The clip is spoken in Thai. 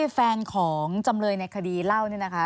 แฟนของจำเลยในคดีเล่านี่นะคะ